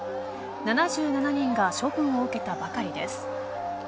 ７７人が処分を受けたばかりです。